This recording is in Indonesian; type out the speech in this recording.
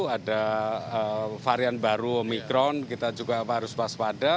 ada varian baru omikron kita juga harus waspada